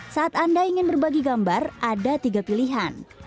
saat anda ingin berbagi gambar ada tiga pilihan